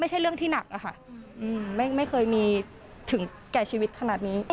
ไม่ใช่เรื่องที่หนักอะค่ะไม่เคยมีถึงแก่ชีวิตขนาดนี้